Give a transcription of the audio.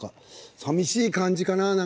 さみしい感じかな？